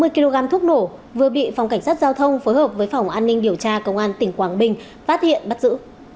sáu mươi kg thuốc nổ vừa bị phòng cảnh sát giao thông phối hợp với phòng an ninh điều tra công an tp hcm phát hiện bắt giữ